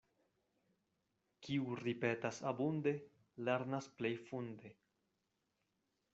Kiu ripetas abunde, lernas plej funde.